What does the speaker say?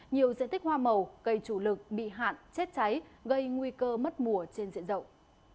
nhiều diện tích hoa màu cây chủ lực bị hạn chết cháy gây nguy cơ mất mùa trên diện rộng